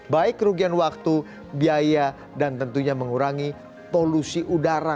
baik kerugian waktu biaya dan tentunya mengurangi polusi udara